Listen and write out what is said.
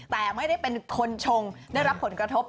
แต่ไม่ได้เป็นคนชงได้รับผลกระทบ